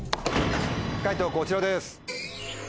解答こちらです。